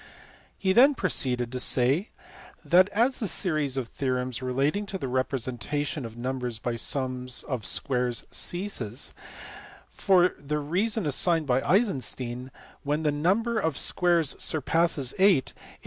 He then proceeded to say that as the series of theorems relating to the representation of numbers by sums of squares ceases, for the reason assigned by Eisenstein, when the number of squares surpasses eight, it was * See vol.